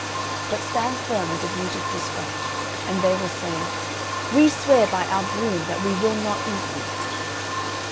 But stand firm, as if rooted to the spot; and they will say, We swear by our broom that we will not eat you!'